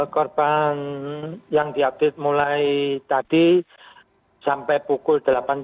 korban yang diupdate mulai tadi sampai pukul delapan tiga puluh